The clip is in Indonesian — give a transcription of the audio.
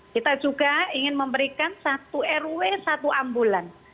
kita juga ingin memberikan satu rw satu ambulan